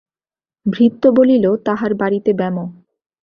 ভৃত্য বলিল, তাঁহার বাড়িতে ব্যামো।